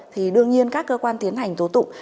thì đương nhiên các cơ quan tiến hành tố tụng